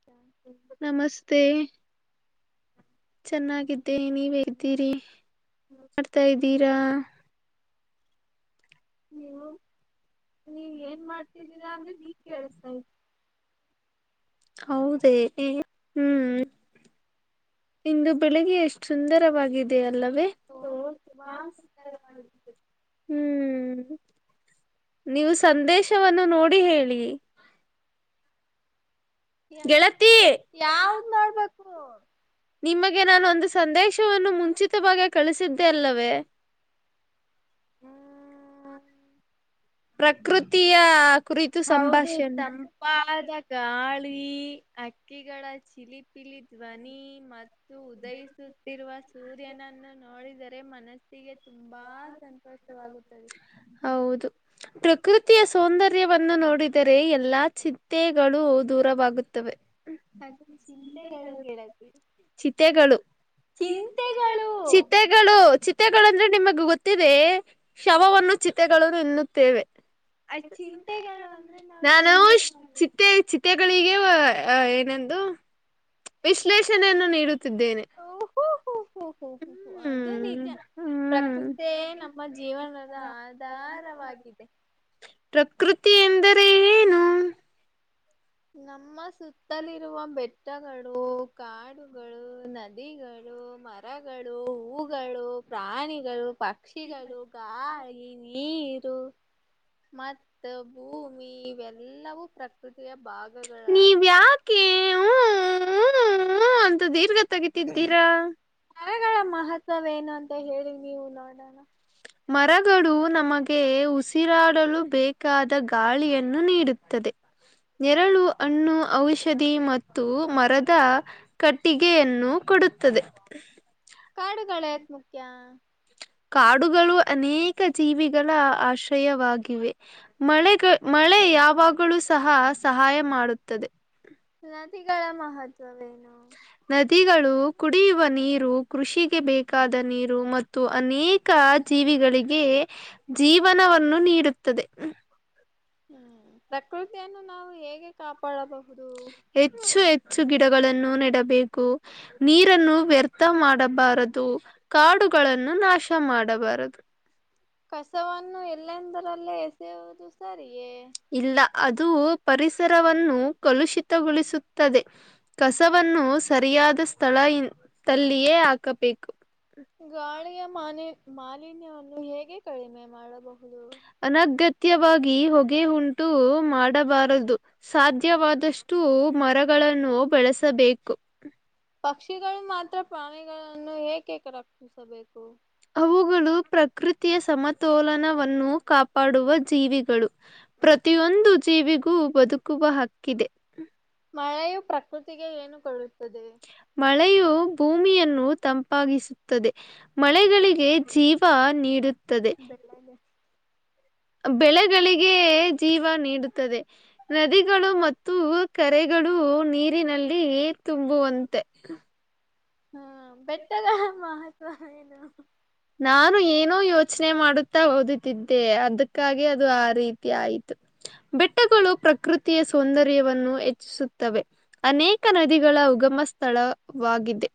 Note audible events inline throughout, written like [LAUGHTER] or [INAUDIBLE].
[INAUDIBLE] ನಮಸ್ತೆ. ನಾನು ಚೆನ್ನಾಗಿದ್ದೆ ಚೆನ್ನಾಗಿದ್ದೀನಿ ನೀವೆಗಿದ್ದೀರಿ ಏನ್ ಮಾಡ್ತಾ ಇದ್ದೀರಾ. ನೀವು ನೀವ್ ಏನ್ ಮಾಡ್ತಿದ್ದೀರಾ ಅಂದ್ರೆ ಅಂದಿದ್ ಈಗ್ ಕೇಳಿಸ್ತಾ ಕೇಳಸ್ತೈ. ಇದೆ ಹೌದೇ ಹ್ಮ್. ಇಂದು ಬೆಳಿಗ್ಗೆ ಎಷ್ಟು ಸುಂದರವಾಗಿದೆ ಅಲ್ಲವೇ. ಬಾಳ್ ಸುಂದರವಾಗಿದೆ. ಹ್ಮ್ ನೀವು ಸಂದೇಶವನ್ನು ನೋಡಿ ಹೇಳಿ. ಯಾ ಗೆಳತಿ ಯಾವ್ದ ನೋಡ್ಬೇಕು. ನಿಮಗೆ ನಾನೊಂದು ಸಂದೇಶವನ್ನು ಮುಂಚಿತವಾಗೆ ಕಳಿಸಿದ್ದೆ ಅಲ್ಲವೇ. ಹ್ಮ್ ಪ್ರಕೃತಿಯ. ಕುರಿತು ಹೌದು ಸಂಭಾಷಣೆ ತಂಪಾದ ಗಾಳಿ ಅಕ್ಕಿಗಳ ಚಿಲಿಪ್. ಪಿಲಿ ಧ್ವನಿ ಮತ್ತು ಉದಯಿಸುತ್ತಿರುವ ಸೂರ್ಯನನ್ನು ನೋಡಿದರೆ ಮನಸ್. ಗೆ ತುಂಬಾ ಸಂತೋಷವಾಗುತ್ತದೆ. ಹೌದು. ಪ್ರಕೃತಿಯ ಸೌಂದರ್ಯವನ್ನು ನೋಡಿದರೆ ಎಲ್ಲಾ ಚಿತ್ತೆಗಳು ದೂರವಾಗುತ್ತವೆ. ಅದು ಚಿಂತೆಗಳು ಗೆಳತಿ. ಚಿತೆಗಳು ಚಿಂತೆಗಳ್ ಚಿಂತೆಗಳು ಚಿತೆ. ಗಳು ಚಿತೆಗಳಂದ್ರೆ ನಿಮಗ್ ಗೊತ್ತಿದೆಯೇ. ಶವವನ್ನು ಚಿತೆಗಳು ಎನ್ನುತ್ತೇವೆ. ಆ ಚಿಂಟೆಗಳು ಅಂದ್ರೆ ನಾವು ಚಿಂಟೆ ನಾನುಷ ಚೀ. ತ್ತೆ ಚಿತೆಗಳಿಗೆ ವ ಅ ಏನೆಂದು. ವಿಶ್ಲೇಷಣೆಯನ್ನು ನೀಡುತ್ತಿದ್ದೇನೆ. ಹು ಹು ಹು ಅದು ಹ್ಮ್ ನಿಜಾ ಹ್ಮ್ ಪ್ರಕೃತಿಯೇ ನಮ್ಮ ಜೀವನದ ಆದಿ. ದಾರವಾಗಿದೆ. ಪ್ರಕೃತಿ ಎಂದರೆ ಏನು. ನಮ್ಮ ಸುತ್ತಲಿರುವ ಬೆಟ್. ಟ್ಟಗಳು ಕಾಡುಗಳು ನದಿಗಳು ಮರಗಳು ಹೂಗಳು. ಪ್ರಾಣಿಗಳು ಪಕ್ಷಿಗಳು ಗಾಳಿ ನೀರು. ಮತ್ತ ಭೂಮಿ ಇವೆಲ್ಲವೂ ಪ್ರಕೃತಿಯ ಭಾಗ. ನೀವ್ಯಾಕೆ ಹೂ ಹೂ ಹೂ ಅಂತಾ ದಿರ್ಗಾತ. ತ್ತಿದ್ದೀರಾ. ಮರಗಳ ಮಹತ್ವವೆನು ಅಂತ ಹೇಳಿ ನೀವು ನೋಡಣ. ಮರಗಳು ನಮಗೆ ಉಸಿರಾಡಲು ಬೇಕಾದ ಗಾಳಿಯನ್ನು ನೀಡುತ್ತದೆ. ನೆರಳು ಅಣ್ಣು ಔಷಧಿ ಮತ್ತು ಮರದ. ಕಟ್ಟಿಗೆಯನ್ನು ಕೊಡುತ್ತದೆ. ಕಾಡುಗಳ್ಯಾಕ್ ಮುಖ್ಯಾ. ಕಾಡುಗಳು ಅನೇಕ ಜೀವಿಗಳ ಆಶ್ರಯವಾಗಿವೆ. ಮಳೆಗ ಮಳೆ ಯಾವಾಗಳೂ ಸಹ ಸಹಾಯ ಮಾಡುತ್ತದೆ. ನದಿಗಳ ಮಹತ್ವವೇನು. ನದಿಗಳು ಕುಡಿಯುವ ನೀರು ಕೃಷಿಗೆ ಬೇಕಾದ ನೀರು ಮತ್ತು ಅನೇಕ ಜೀವಿಗಳಿಗೆ ಜೀವನವನ್ನು ನೀಡುತ್ತದೆ ಹ್ಮ್ ಪ್ರಕೃತಿಯನ್ನು ನಾವು ಹೇಗೆ ಕಾಪಾಡಬಹುದು ಹೆಚ್ಚು ಹೆಚ್ಚು ಗಿಡಗಳನ್ನು ನೆಡಬೇಕು ನೀರನ್ನು ವ್ಯರ್ಥ ಮಾಡಬಾರದು ಕಾಡುಗಳನ್ನು ನಾಶ ಮಾಡಬಾರದು ಕಸವನ್ನು ಎಲ್ಲೆಂದರಲ್ಲೇ ಎಸೆಯುವುದು ಸರಿಯೇ ಇಲ್ಲ ಅದು ಪರಿಸರವನ್ನು ಕಲುಷಿತಗೊಳಿಸುತ್ತದೆ ಕಸವನ್ನು ಸರಿಯಾದ ಸ್ಥಳ ಇ ತಲ್ಲಿಯೇ ಹಾಕಬೇಕು ಗಾಳಿಯ ಮಾಲಿ ಮಾಲಿನ್ಯವನ್ನು ಹೇಗೆ ಕಡಿಮೆ ಮಾಡಬಹುದು ಅನಗತ್ಯವಾಗಿ ಹೊಗೆ ಉಂಟು ಮಾಡಬಾರದು ಸಾಧ್ಯವಾದಷ್ಟು ಮರಗಳನ್ನು ಬೆಳಸಬೇಕು ಪಕ್ಷಿಗಳು ಮಾತ್ರ ಪ್ರಾಣಿಗಳನ್ನು ಏಕೆ ರಕ್ಷಿಸಬೇಕು ಅವುಗಳು ಪ್ರಕೃತಿಯ ಸಮತೋಲನವನ್ನು ಕಾಪಾಡುವ ಜೀವಿಗಳು ಪ್ರತಿಯೊಂದು ಜೀವಿಗೂ ಬದುಕುವ ಹಕ್ಕಿದೆ ಮಳೆಯು ಪ್ರಕೃತಿಗೆ ಏನು ಕೊಳ್ಳುತ್ತದೆ ಮಳೆಯು ಭೂಮಿಯನ್ನು ತಂಪಾಗಿಸುತ್ತದೆ ಮಳೆಗಳಿಗೆ ಜೀವ ನೀಡುತ್ತ ಬೆಲ ಬೆಳೆಗಳಿಗೆ ಜೀವ ನೀಡುತ್ತದೆ ನದಿಗಳು ಮತ್ತು ಕರೆಗಳು ನೀರಿನಲ್ಲಿ ತುಂಬುವಂತೆ ಹ್ಮ ಬೆಟ್ಟದ ಮಹತ್ವ ಏನು ನಾನು ಏನೋ ಯೋಚನೆ ಮಾಡುತ್ತಾ ಓದುತ್ತಿದ್ದೆ ಅದಕ್ಕಾಗಿ ಅದು ಆ ರೀತಿ ಆಯ್ತು ಬೆಟ್ಟಗಳು ಪ್ರಕೃತಿಯ ಸೌಂದರ್ಯವನ್ನು ಹೆಚ್ಚಿಸುತ್ತವೆ ಅನೇಕ ನದಿಗಳ ಉಗಮ ಸ್ಥಳವಾಗಿದೆ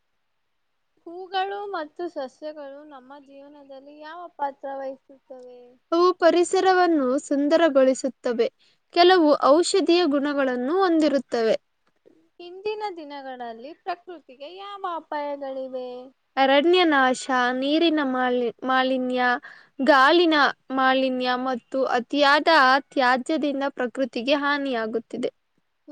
ಹೂಗಳು ಮತ್ತು ಸಸ್ಯಗಳು ನಮ್ಮ ಜೀವನದಲ್ಲಿ ಯಾವ ಪಾತ್ರ ವಹಿಸುತ್ತವೆ. ಅವು ಪರಿಸರವನ್ನು ಸುಂದರಗೊಳಿಸುತ್ತವೆ. ಕೆಲವು ಔಷಧೀಯ ಗುಣಗಳನ್ನು ಹೊಂದಿರುತ್ತವೆ. ಇಂದಿನ ದಿನಗಳಲ್ಲಿ ಪ್ರಕೃತಿಗೆ ಯಾವ ಅಪಾಯಗಳಿವೆ. ಅರಣ್ಯ ನಾಶ ನೀರಿನ ಮಾಲಿ ಮಾಲಿನ್ಯ. ಗಾಳಿನ ಮಾಲಿನ್ಯ ಮತ್ತು ಅತಿಯಾದ ತ್ಯಾಜ್ಯದಿಂದ. ಪ್ರಕೃತಿಗೆ ಹಾನಿಯಾಗುತ್ತಿದೆ.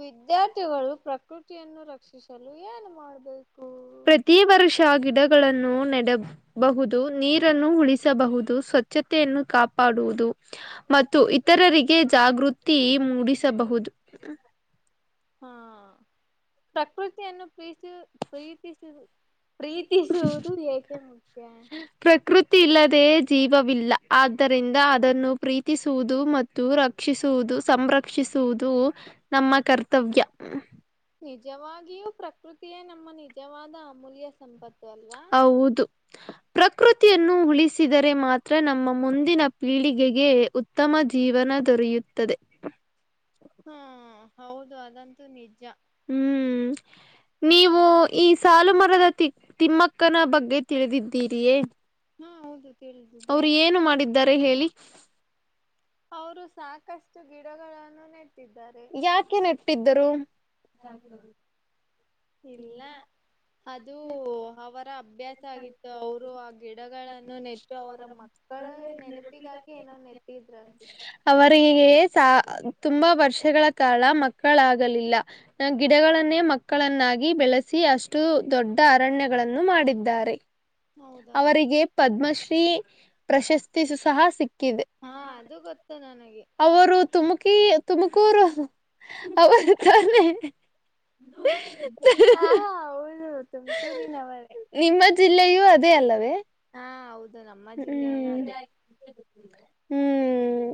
ವಿದ್ಯಾರ್ಥಿಗಳು ಪ್ರಕೃತಿಯನ್ನು ರಕ್ಷಿಸಲು ಏನು ಮಾಡಬೇಕು. ಪ್ರತಿ ವರ್ಷ ಗಿಡಗಳನ್ನು ನೆಡ ಬಹುದು ನೀರನ್ನು ಉಳಿಸಬಹುದು ಸ್ವಚ್ಛತೆಯನ್ನು ಕಾಪಾಡುವುದು. ಮತ್ತು ಇತರರಿಗೆ ಜಾಗೃತಿ ಮೂಡಿಸಬಹುದು. ಹಾ ಪ್ರಕೃತಿಯನ್ನು ಪ್ರೀತ ಪ್ರೀತಿಸಿದ. ಪ್ರೀತಿಸುವುದು ಏಕೆ ಮುಖ್ಯ. ಪ್ರಕೃತಿ ಇಲ್ಲದ ಜೀವವಿಲ್ಲ ಆದ್ದರಿಂದ ಅದನ್ನು ಪ್ರೀತಿಸುವುದು ಮತ್ತು. ರಕ್ಷಿಸುವುದು ಸಂರಕ್ಷಿಸುವುದು ನಮ್ಮ ಕರ್ತವ್ಯ ನಿಜವಾಗಿಯೂ ಪ್ರಕೃತಿಯೇ ನಮ್ಮ ನಿಜವಾದ ಅಮೂಲ್ಯ ಸಂಪತ್ತು ಅಲ್ವಾ ಹೌದು ಪ್ರಕೃತಿಯನ್ನು ಉಳಿಸಿದರೆ ಮಾತ್ರ ನಮ್ಮ ಮುಂದಿನ ಪೀಳಿಗೆಗೆ ಉತ್ತಮ ಜೀವನ ದೊರೆಯುತ್ತದೆ ಹಾ ಹೌದು ಅದಂತೂ ನಿಜ. ಹ್ಮ್ ನೀವು ಈ ಸಾಲು ಮರದ ತಿ ತಿಮ್ಮಕ್ಕನ ಬಗ್ಗೆ ತಿಳಿದಿದ್ದೀರಿಯೇ. ಹಾ ಹೌದು. ತಿಳಿದಿದೆ ಅವರ ಏನು ಮಾಡಿದ್ದಾರೆ ಹೇಳಿ. ಅವರು ಸಾಕಷ್ಟು ಗಿಡಗಳನ್ನು ನೆಟ್ಟಿದ್ದಾರೆ ಯಾಕೆ ನೆಟ್ಟಿದ್ದರು. ಇಲ್ಲ ಅದುೂ ಅವರ ಅಭ್ಯಾಸ. ಆಗಿತ್ತು ಅವರು ಆ ಗಿಡಗಳನ್ನು ನೆಟ್ಟು ಅವರ ಮಕ್ಕಳ ನೆನಪಿಗಾಗಿ. ಏನೋನ್ ನೆಟ್ಟಿದ್ರ ಅನ್ಸಿತ್ತೆ. ಅವರಿಗೆ ಸಾ ತುಂಬಾ ವರ್ಷಗಳ ಕಾಲ ಮಕ್ಕಳಾಗಲಿಲ್ಲ. ಗಿಡಗಳನ್ನೇ ಮಕ್ಕಳನ್ನಾಗಿ ಬೆಳೆಸಿ ಅಷ್ಟು ದೊಡ್ಡ ಅರಣ್ಯಗಳನ್ನು ಮಾಡಿದ್ದಾರೆ. ಹೌದೌದು ಅವರಿಗೆ ಪದ್ಮಶ್ರೀ ಪ್ರಶಸ್ತಿ ಸು ಸಹ ಸಿಕ್ಕಿದೆ. ಹಾ ಅದು ಗೊತ್ತು ನನಗೆ. ಅವರು ತುಮಕಿ ತುಮಕೂರು... ಅವರು ತಾನೆ. ಹಾ [INAUDIBLE] ಹಾ ಹೌದು ತುಮಕೂರಿನವರೆ. ನಿಮ್ಮ ಜಿಲ್ಲೆಯೂ ಅದೇ ಅಲ್ಲವೇ. ಹಾ ಹೌದು ನಮ್ಮ ಜಿಲ್ಲೆನ ಹ್ಮ್ ಅದೇ. ಹ್ಮ್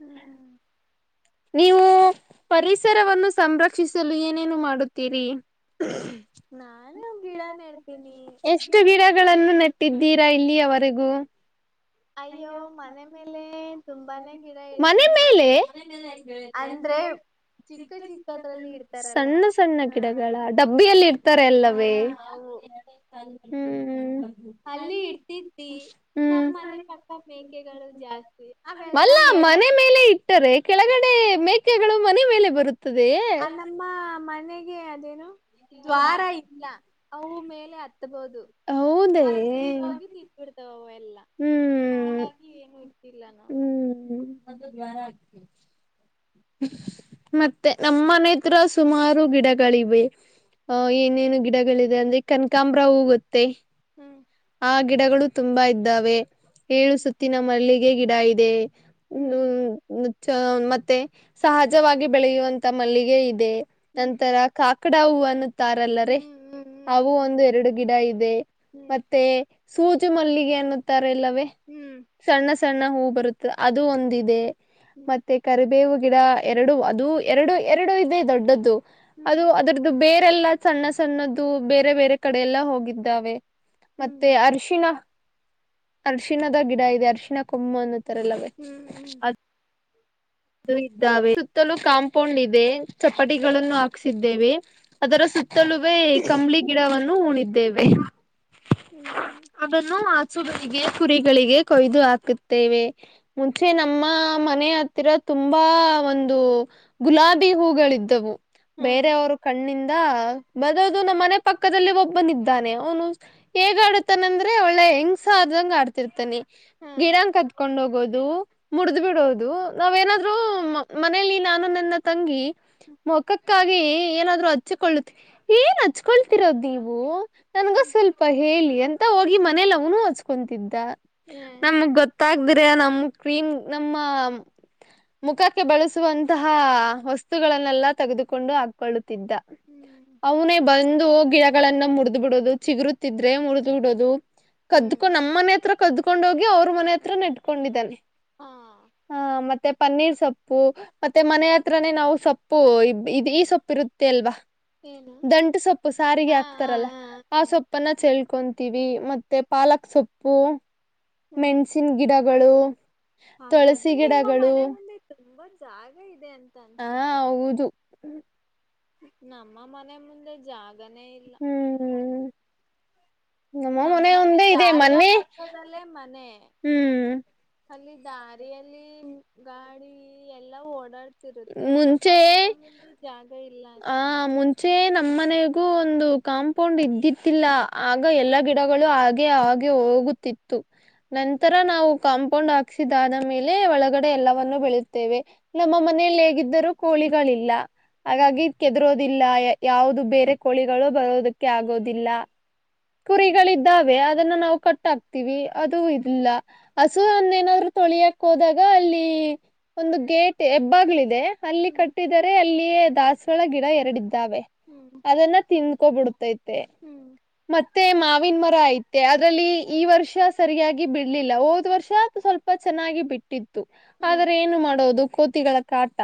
ಹ್ಮ ನೀವು ಪರಿಸರವನ್ನು ಸಂರಕ್ಷಿಸಲು ಏನೇನು ಮಾಡುತ್ತೀರಿ. ನಾನು ಗಿಡ ನೇಡ್ತೀನಿ. ಎಷ್ಟು ಗಿಡಗಳನ್ನು ನೆಟ್ಟಿದ್ದೀರಾ ಇಲ್ಲಿವರೆಗೂ. ಅಯ್ಯೋ ಮನೆ ಮೇಲೆ ತುಂಬಾನೇ ಗಿಡ ಮನೆ ಇಡ್ತಿದ್ವಿ ಮೇಲೆ ಅಂದ್ರೆ. ಚಿಕ್ಕ ಚಿಕ್ಕದ್ರಲ್ಲಿ ಇಡ್ತಾರಲ್ಲ ಸಣ್ಣ ಸಣ್ಣ ಹ ಗಿಡಗಳ ಡಬ್ಬಿಯಲ್ಲಿ ಹ ಅವು. ಹ ಹ್ಮ ಹ್ಮು. ಅಲ್ಲಿ ಇಡ್ತಿದಿ ನಮ್ಮ್ ಮನೆ ಪಕ್ಕ. ಮೇಕೆಗಳು ಜಾಸ್ತಿ ಅವೆಲ್ಲ ಮೇಲೆ. ಬಿಟ್ಟರೆ ಕೆಳಗಡೆ ಮೇಕೆಗಳು ಮನೆ ಮೇಲೆ ಬರುತ್ತದೆಯ. ಆ ನಮ್ಮ ಮನೆಗೆ ಅದೇನು ದ್ವಾರ ಇಲ್ಲ ಅವು ಮೇಲೆ ಹತ್ತಬಹುದು ಹೌದೇ ಅತ್ ಹೋಗಿ ತತ್ಬಿಡ್ತಾವವು ಎಲ್ಲ ಹ್ಮ್ ಹಾಗಾಗಿ ಏನು ಇತ್ತು ಇಲ್ಲ ನಾವು ಹ್ಮ್ ಅದು ಜ್ವಾರ ಮತ್ತೆ ನಮ್ಮನತ್ರ ಸುಮಾರು ಗಿಡಗಳಿವೆ ಅಹ ಏನೇನು ಗಿಡಗಳಿದೆ ಅಂದ್ರೆ ಕನಕಾಂಬ್ರ ಹೂ ಗೊತ್ತೆ ಹಾಂ ಆ ಗಿಡಗಳು ತುಂಬಾ ಇದ್ದಾವೆ ಏಳು ಸುತ್ತಿನ ಮಲ್ಲಿಗೆ ಗಿಡ ಇದೆ ಹ್ಮ್ ಮತ್ತೆ ಸಹಜವಾಗಿ ಬೆಳೆಯುವಂತ ಮಲ್ಲಿಗೆ ಇದೆ ಹ್ಮ್ ನಂತರ ಕಾಕಡ ಹೂ ಅನ್ನುತ್ತಾರಲ್ಲರ ಹ್ಮ್ ಅವುೂ ಹ್ಮ್ ಒಂದು ಎರಡು ಗಿಡ ಇದೆ ಹ್ಮ್ ಮತ್ತೆ ಸೂಜು ಮಲ್ಲಿಗೆ ಅನ್ನುತ್ತಾರೆ ಎಲ್ಲವೇ ಹ್ಮ್ ಸಣ್ಣ ಸಣ್ಣ ಹೂ ಬರುತ್ತೆ ಅದು ಒಂದಿದೆ ಹ್ಮ್ ಮತ್ತೆ ಕರಿಬೇವು ಗಿಡ ಎರಡು ಅದು ಎರಡು ಎರಡು ಇದೆ ದೊಡ್ಡದ್ದು ಹ್ಮ್ ಹ್ಮ್ ಅದು ಅದರ್ದ ಅದು ಬೇರೆಲ್ಲಾ ಸಣ್ಣ ಸಣ್ಣದ್ದ ಬೇರೆ ಬೇರೆ ಕಡೆ ಎಲ್ಲ ಹೋಗಿದ್ದಾವೆ ಹ್ಮ್ ಮತ್ತೆ ಹ್ಮ್ ಅರಿಶಿನ ಅರ್ಶಿಣದ ಗಿಡ ಇದೆ ಅರ್ಶಿಣ ಕೊಮ್ಮು ಅನ್ನ. [UNINTELLIGIBLE] ಅಲ್ಲವೇ ಹ್ಮ್ ಅದ್ ಇದ್ದಾವೆ ಸುತ್ತಲೂ ಕಾಂಪೌಂಡ್ ಇದೆ ಚಪಡಿಗಳನ್ನು ಹಾಕ್ಸಿದ್ದೇವೆ. ಅದರ ಸುತ್ತಲುವೇ ಕಂಬಳಿ ಗಿಡವನ್ನು ಉಣಿದ್ದೇವೆ. ಹ್ಮ್ ಅದನ್ನು ಆಚುಗಳಿಗೆ ಕುರಿಗಳಿಗೆ ಕೊಯ್ದು ಹಾಕುತ್ತೇವೆ ಮುಂಚೆ ನಮ್ಮ ಮನೆ ರ ತುಂಬಾ ಒಂದು ಗುಲಾಬಿ ಹೂಗಳ ಇದಿದ್ದವು ಹ್ಮ್ ಬೇರೆೆಯವರು ಕಣ್ಣಿಂದ ಬರೋದು ನಮ್ಮನೆ ಪಕ್ಕದಲ್ಲಿ ಒಬ್ಬನ ಇದ್ದಾನೆ ಅವನು ಹೇಗ ಆಡತಾನ ಅಂದ್ರೆ ಒಳ್ಳೆ ಹೆಂಗ್ಸ ಆದಂಗ ಆಡ್ತಿರ್ತಾನಿ ಹ್ಮ್ ಗಿಡಾಂಗ ಕತ್ಕೊಂಡ್ ಹೋಗೋದು ಮುಡ್ದ್ ಬಿಡೋದು ನಾವ್ೇನಾದ್ೂ ಮನೇಲಿ ನಾನು ನನ್ನ ತಂಗಿ ಮುಖಕ್ಕೆ ಹಕ್ಕಾಗಿ ಏನಾದ್ರು ಹಚ್ಿಕೊಳ್ಳ ಏನ್ ಹಚ್ಕೊಳ್ತಿರೋದು ನೀವು ನನ್ಗ ಸ್ವಲ್ಪ ಹೇಳಿ ಅಂತ ಹೋಗಿ ಮನೆಲ್ಲ ಅವನು ಹಚ್ಕೊತಿದ್ದ ಹ್ಮ್ ನಮಗ್ ಗೊತ್ತ ಗತ್ತಾಗ್ದ್ರ ನಮ್ ಕ್ರೀಮ್ ನಮ್ಮ ಮುಖಕ್ಕೆ ಬಳಸುವಂತಹ ವಸ್ತುಗಳನ್ನೆಲ್ಲಾ ತೆಗೆದುಕೊಂಡು ಹಾಕ್ಕೊಳ್ಳುತ್ತಿದ್ದ ಹ್ಮ್ ಅವನೇ ಬಂದು ಗಿಡಗಳನ್ನ ಮುರಿದ್ ಬಿಡೋದು ಚಿಗರುತಿದ್ರೆ ಮುರಿದ್ ಬಿಡೋದು ಹ್ಮ್ ಕದ್ಕೊಂಡ್ ನಮ್ಮ್ ಮನೆ ಹತ್ರ ಕದ್ದ್ಕೊಂಡ್ ಹೋಗಿ ಅವ್ರ ಮನೆ ಹತ್ರ ನೆಟ್ಕೊಂಡಿದ್ದಾನೆ ಹಾ ಹ ಮತ್ತೆ ಪನ್ನೀರ್ ಸೊಪ್ಪು ಮತ್ತೆ ಮನೆ ಹತ್ರನೇ ನಾವು ಸೊಪ್ಪು ಇದ ಈ ಸೊಪ್ಪು ಇರುತ್ತೆ ಅಲ್ವಾ ಏನು ದಂಟು ಸೊಪ್ಪು ಸಾರಿಗೆ ಹಾ ಹಾ ಹಾಕ್ತಾರಲ್ಲ ಹಾ ಆ ಸೊಪ್ಪು ಉಪ್ಪನ ಚಳ್ಕೊಂತೀವಿ ಮತ್ತೆ ಪಾಲಕ್ ಸೊಪ್ಪು ಹ್ಮ್ ಮೆಣ್ಸಿನ ಗಿಡಗಳು ಹಾಗಾದ್ರೆ ತುಳಸಿ ನಿಮ್ಮ ಗಿಡಗಳು ಮನೆ ಮುಂದೆ ತುಂಬಾ ಜಾಗ ಇದೆ ಅಂತ ಹಾ ಅನ್ಸುತ್ತೆ ಹೌದು ನಮ್ಮ ಮನೆ ಮುಂದೆ ಜಾಗನೇ ಇಲ್ಲ ಹ್ಮ್ ನಮ್ಮ ಮನೆ ನಮ್ಮದ ಒಂದೇ ಇದೆ ಕಾರ್ಯ ಮೊನ್ನೆ ಪಕ್ಕದಲ್ಲೇ ಮನೆ ಹ್ಮ್ ಅಲ್ಲಿ ದಾರಿಯಲ್ಲಿ ಗಾಡಿ ಎಲ್ಲಾ ಓಡಾಡ್ತ ಇರುತ್ತೆ ನಮ್ಮ ಮುಂಚೆ ಮನೆ ಮುಂದೆ ಜಾಗ ಇಲ್ಲ ಅಷ್ಟು ಚೆ ನಮ್ಮ್ ಮನೆಗೂ ಒಂದು ಕಾಂಪೌಂಡ್ ಇದ್ದಿತಿಿಲ್ಲ ಆಗ ಎಲ್ಲಾ ಗಿಡಗಳು ಹಾಗೆ ಆ ಹೋಗುತ್ತಿತ್ತು ಹ್ಮ್ ನಂತರ ನಾವು ಕಾಂಪೌಂಡ್ ಆಕ್ಸಿಿದಾನ ಮೇಲೆ ಒಳಗಡೆ ಎಲ್ಲವನ್ನು ಬೆಳುತ್ತೇವೆ ನಮ್ಮ ಮ ಮನೆಯಲ್ಲಿ ಹೇಗಿದ್ದರೂ ಕೋಳಿಗಳಿಲ್ಲ ಹ್ಮ್ ಹಾಗಾಗಿ ಕೆದರೋದಿಲ್ಲ ಯಾವವುದು ಬೇರೆ ಕೋಳಿಗಳು ಬರೋದಕ್ಕೆ ಆಗೋದಿಲ್ಲ ಕುರಿಗಳಿದ್ದಾವೆ ಅದನ್ನ ನಾವು ಕಟ್ಾಕ್ತಿೀವಿ ಅದು ಇಲ್ಲ ಹಸು ಅನ್ನೇನಾದ್ರು ತೊಳಿಯಕ್ ಹೋದಾಗ ಅಲ್ಲಿ ಒಂದು ಗೇಟ್ ಹೆಬ್ಬಾಗ್ಲ ಇಿದೆ ಅಲ್ಲಿ ಹ್ಮ್ ಕಟ್ಟಿದರೆ ಅಲ್ಲಿಯೇ ದಾಸವಾಳ ಗಿಡ ಎರಡು ಾವೆ ಹ್ಮ್ ಹ್ಮ್ ಅದನ್ನ ತಿಿಂದಕೋಬ ಬಿಡ್ತೈತೆ ಹ್ಮ್ ಮತ್ತೆ ಮಾವಿನ ಮರ ಐತೆ ಅದ್ರಲ್ಲಿ ಈ ವರ್ಷ ಸರಿಯಾಗಿ ಬಿಡ್ಲಿಲ್ಲ ಹೋದ್ ವರ್ಷ ಸ್ವಲ್ಪ ತಪ ಚೆನ್ನಾಗಿ ಬಿಟ್ಟಿತ್ತು ಹ್ಮ್ ಆದ್ರೆ ಏನು ಮಾಡೋದು ಕೋತಿಗಳ ಕಾಟ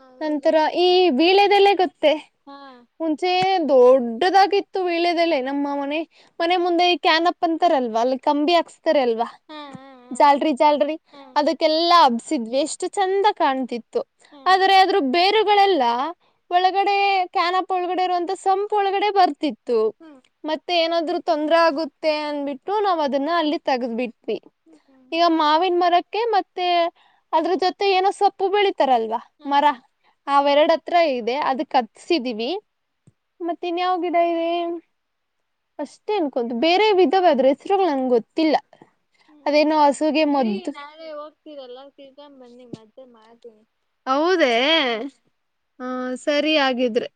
ಹೌದು ನಂತರ ಈ ಬೀಳೆದೆಲ್ಲೇ ಗೊತ್ತೇ ಹಾ ಮುಂಚೆ ದೊಡ್ಡದಾಗಿತ್ತು ವಳೆದಲ್ಲ ನಮ್ಮ ಮನೆ ಮನೆ ಮುಂದೆ ಕನ್ಪ್ಪ ತಪ್ಪಂತಾರಲ್ವಾ ಅಲ್ಲಿ ಕಂಬಿ ಹಾಕ್ಸ್ತಾರಲ್ವಾ ಹಾ ಹಾ ಹಾ ಜಾಲ್ರಿಿ ಜಾಲ್ರಿಿ ಹಾ ಅದಕ್ಕೆಲ್ಲಾ ಹಬ್ಸಿದ್ವಿ ಎಷ್ಟು ಚಂದ ಕಾಣ್ತಿತ್ತು ಹಾ ಆದ್ರ ಆದದ್ರೂ ಬೇರೆ ಗಳೆಲ್ಲ ಒಳಗಡೆ ಕ್ಯಾನಪ್ ಒಳಗಡೆ ಇರುವಂತ ಸಂಪ್ ಒಳಗಡೆ ಬರ್ತಿತ್ತು ಹ್ಮಞ ಮತ್ತೆ ಏನಾದ್ರು ತೊಂದ್ರ ಆಗುತ್ತೆ ಅನ್ಬಿಟ್ಟು ನಾವ್ ಅದನ್ನ ಅಲ್ಲಿ ತಗದ್ಬಿಟ್ವಿ ಹ್ಮ್ ಹ್ಮ್ ಮಾವಿನ್ ಮರಕ್ಕೆ ಮತ್ತೆ ಅದ್ರ ಜೊತೆ ಏನೋ ಸೊಪ್ಪು ಬೆಳಿತಾರಲ್ವಾ ಹ್ಮ್ ಮರ. ಹ್ಮ್ ಅವೆರಡ ಹತ್ರ ಇದೆ ಅದಕತ್ಸಿದೀವಿ ಮತ್ತ ಇನ್ಯಾವ ಗಿಡ ಇದೆ. ಅಷ್ಟೇ ಅನ್ಕೊಂದು ಬೇರೆವಿದವೆ ಅದ್ರ ಹೆಸರುಗಳು ನಂಗೊತ್ತಿಲ್ಲ. ಹ್ಮ್ ಬಿಡಿ ನಾಳೆ ಹೋಗ್ತೀರಲ್ಲ ತಿಳ್ಕೊಂಡ್ ಬನ್ನಿ ಮತ್ತೆ ಮಾಡ್ತೀನಿ. ಹೌದೇ ಹ ಸರಿ ಆಗಿದ್ರೆ.